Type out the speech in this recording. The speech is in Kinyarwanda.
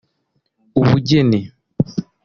ubugeni